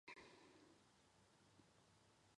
柴达木猪毛菜是苋科猪毛菜属的植物。